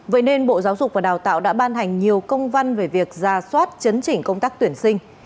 vậy nên bộ giáo dục và đào tạo đã ban hành nhiều công văn về việc ra soát chấn chỉnh công tác tuyển sinh